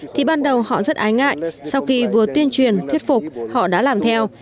thì ban đầu họ rất ái ngại sau khi vừa tuyên truyền thuyết phục họ đã làm theo